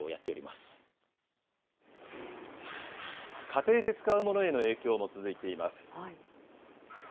家庭で使うものへの影響も続いています。